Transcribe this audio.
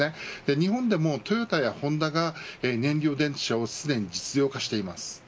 日本でもトヨタやホンダが燃料電池車をすでに実用化しています。